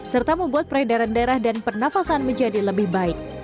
serta membuat peredaran darah dan pernafasan menjadi lebih baik